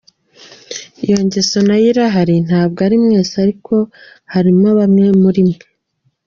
Iyo ngeso na yo irahari ntabwo ari mwese ariko harimo bamwe muri mwe.